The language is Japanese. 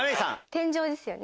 天井ですよね。